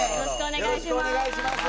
よろしくお願いします。